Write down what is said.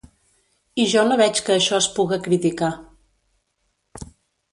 I jo no veig que això es puga criticar.